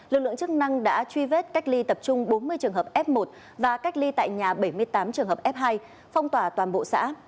lực lượng chức năng đã truy vết cách ly tập trung bốn mươi trường hợp f một và cách ly tại nhà bảy mươi tám trường hợp f hai phong tỏa toàn bộ xã